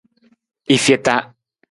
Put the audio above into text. I feta.